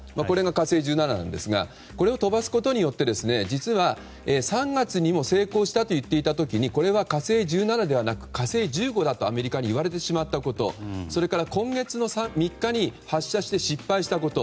「火星１７」なんですがこれを飛ばすことによって実は３月にも成功したと言っていた時にこれは「火星１７」ではなく「火星１５」だとアメリカに言われてしまったことそれから今月３日に発射して失敗したこと。